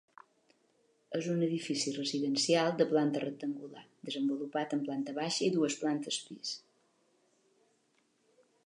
És un edifici residencial de planta rectangular, desenvolupat en planta baixa i dues plantes pis.